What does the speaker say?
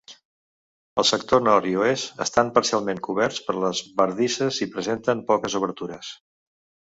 El sector nord i oest estan parcialment coberts per les bardisses i presenten poques obertures.